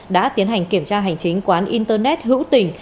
đã tiến hành kiểm tra hành chính quán internet hữu tình